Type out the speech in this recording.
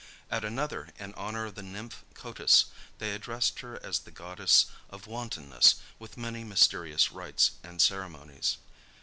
At another, in honor of the nymph Cotys, they addressed her as the goddess of wantonness with many mysterious rites and ceremonies.